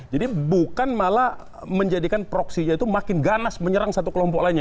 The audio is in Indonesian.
jadi bukan malah menjadikan proksinya itu makin ganas menyerang satu kelompok lainnya